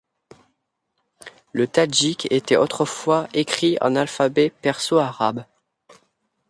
Le tadjik était autrefois écrit en alphabet perso-arabe.